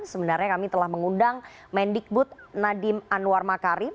sebenarnya kami telah mengundang mendikbud nadiem anwar makarim